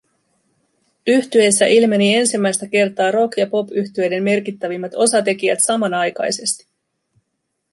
Yhtyeessä ilmeni ensimmäistä kertaa rock- ja popyhtyeiden merkittävimmät osatekijät samanaikaisesti